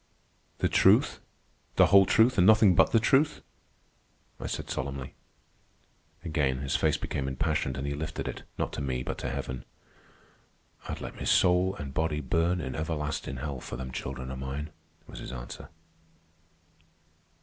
"The truth, the whole truth, and nothing but the truth?" I said solemnly. Again his face became impassioned, and he lifted it, not to me, but to heaven. "I'd let me soul an' body burn in everlastin' hell for them children of mine," was his answer.